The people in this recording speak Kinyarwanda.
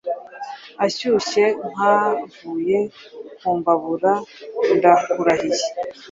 Ashyushe nkavuye kumbabura ndakurahiye